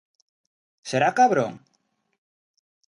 _¡Será cabrón!